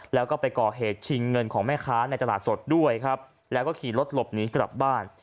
แล้วก็ไปก่อเหตุชิงเงินของแม่ค้าในตลาดสดด้วยครับแล้วก็ขี่รถหลบหนีกลับบ้าน